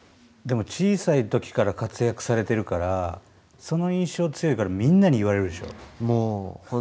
でも小さいときから活躍されてるからその印象強いからみんなに言われるでしょう？